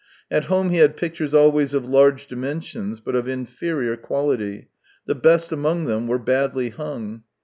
At home he had pictures always of large dimensions but of inferior quality; the best among them were badly hung.